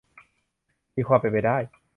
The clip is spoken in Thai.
มีความเป็นไปได้